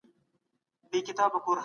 يوازې له لويانو جزيه اخلئ.